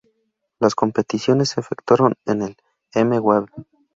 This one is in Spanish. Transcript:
Las competiciones se efectuaron en el M-Wave.